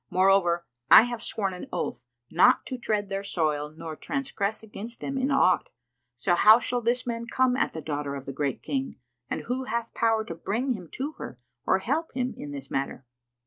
Moreover I have sworn an oath not to tread their soil nor transgress against them in aught; so how shall this man come at the daughter of the Great King, and who hath power to bring him to her or help him in this matter?"